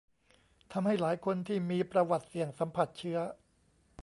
ทำให้หลายคนที่มีประวัติเสี่ยงสัมผัสเชื้อ